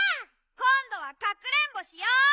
こんどはかくれんぼしよう！